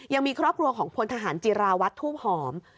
ยังมีครอบครัวของพลทหารจิราวัตรทูบหอม